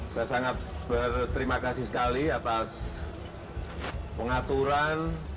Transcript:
saya sangat berterima kasih sekali atas pengaturan